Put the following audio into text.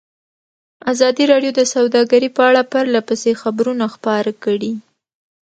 ازادي راډیو د سوداګري په اړه پرله پسې خبرونه خپاره کړي.